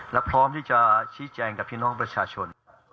และพร้อมที่จะชี้แจงกับพี่น้องประชาชน